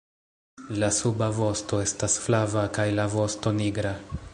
La suba vosto estas flava kaj la vosto nigra.